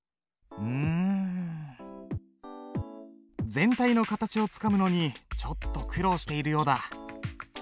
全体の形をつかむのにちょっと苦労しているようだ。